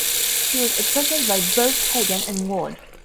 She was accepted by both Hagen and Ward.